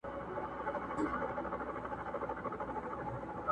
ما مي خپل وجود کړ عطر درته راغلمه څو ځله!!